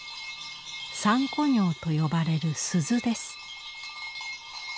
「三鈷鐃」と呼ばれる鈴です。